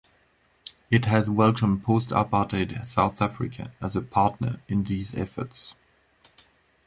It has welcomed post-apartheid South Africa as a partner in these efforts.